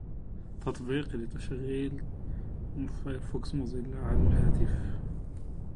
طال في شرك المضايق حبسي